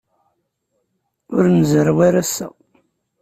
Ur nzerrew ara ass-a.